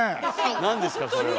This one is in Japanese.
何ですかそれは。